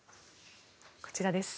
こちらです。